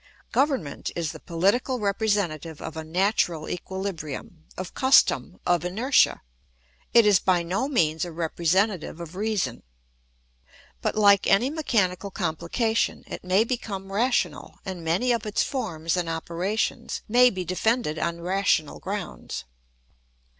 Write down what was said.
Government is the political representative of a natural equilibrium, of custom, of inertia; it is by no means a representative of reason. But, like any mechanical complication, it may become rational, and many of its forms and operations may be defended on rational grounds.